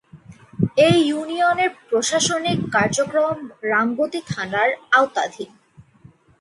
এ ইউনিয়নের প্রশাসনিক কার্যক্রম রামগতি থানার আওতাধীন।